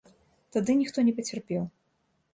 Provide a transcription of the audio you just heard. Тады ніхто не пацярпеў.